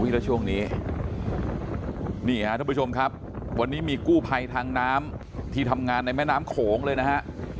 แล้วช่วงนี้นี่ฮะทุกผู้ชมครับวันนี้มีกู้ภัยทางน้ำที่ทำงานในแม่น้ำโขงเลยนะฮะ